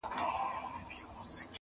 جادوګر ویل زما سر ته دي امان وي.!